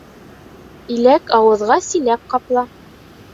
Иләк ауыҙға силәк ҡапла.